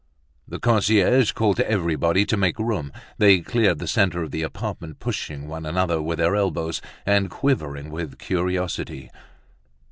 The concierge called to everybody to make room, they cleared the centre of the apartment, pushing one another with their elbows, and quivering with curiosity.